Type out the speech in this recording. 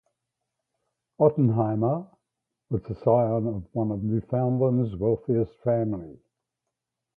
Ottenheimer, was the scion of one of Newfoundland's wealthiest family.